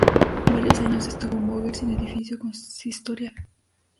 Varios años estuvo Moguer sin edificio consistorial.